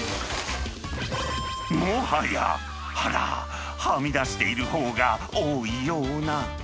もはや、あらー、はみ出しているほうが多いような。